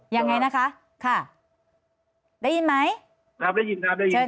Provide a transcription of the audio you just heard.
ยังไงนะคะค่ะได้ยินไหมครับได้ยินถามได้ยิน